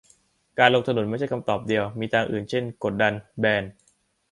การลงถนนไม่ใช่คำตอบเดียว มีทางอื่นเช่น กดดัน แบน